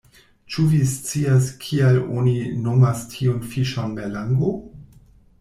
"Ĉu vi scias kial oni nomas tiun fiŝon merlango?"